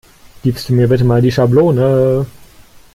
Gibst du mir bitte Mal die Schablone?